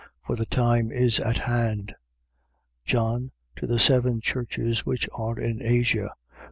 For the time is at hand. 1:4. John to the seven churches which are in Asia.